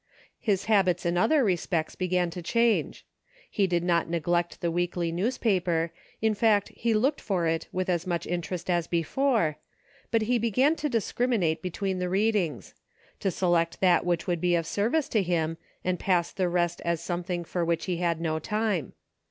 His habits in other re spects began to change ; he did not neglect the weekly newspaper; in fact he looked for it with as much interest as before, but he be^an to discrimi nate between the readings ; to select that which would be of service to him, and pass the rest as something for which he had no time.